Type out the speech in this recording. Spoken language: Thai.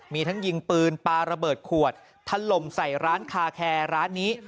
มีทั้งยิงปืนปลาระเบิดขวดถล่มใส่ร้านคาแคร์ร้านนี้